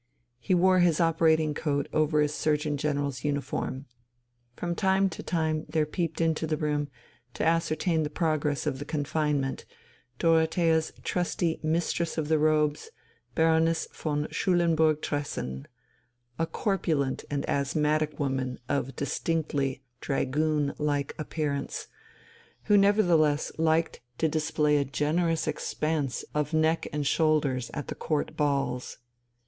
He wore his operating coat over his surgeon general's uniform. From time to time there peeped into the room, to ascertain the progress of the confinement, Dorothea's trusty Mistress of the Robes, Baroness von Schulenburg Tressen, a corpulent and asthmatic woman of distinctly dragoon like appearance, who nevertheless liked to display a generous expanse of neck and shoulders at the court balls.